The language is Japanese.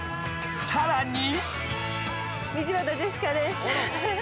［さらに］